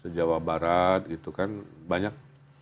jawa barat itu kan banyak